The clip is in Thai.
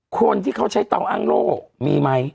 คนที่เขาใช้เตาอ้างโล่มีไหม